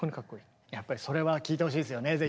やっぱりそれは聴いてほしいですよね